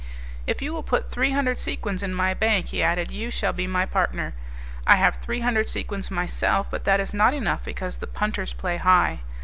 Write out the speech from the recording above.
"If you will put three hundred sequins in my bank," he added, "you shall be my partner. I have three hundred sequins myself, but that is not enough because the punters play high.